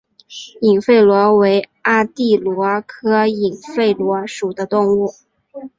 隐肺螺为阿地螺科隐肺螺属的动物。